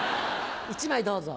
１枚どうぞ。